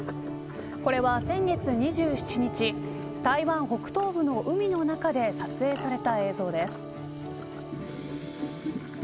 これは先月２７日台湾北東部の海の中で撮影された映像です。